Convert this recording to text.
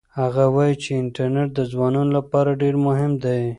هغه وایي چې انټرنيټ د ځوانانو لپاره ډېر مهم دی.